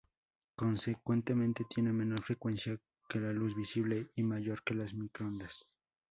Consecuentemente, tiene menor frecuencia que la luz visible y mayor que las microondas.